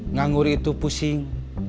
nganggur itu pusing